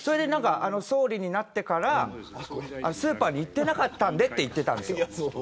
総理になってから、スーパーに行ってなかったんでって言ってたんです。